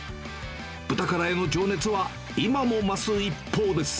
ブタカラへの情熱は今も増す一方です。